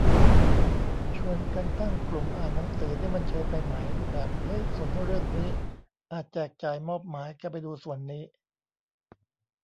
ชวนกันตั้งกลุ่มอ่านหนังสือนี่มันเชยไปไหม แบบ เฮ้ยสนเรื่องนี้ อะ แจกจ่ายมอบหมายแกไปดูส่วนนี้